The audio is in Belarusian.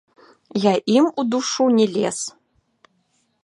Я ім у душу не лез.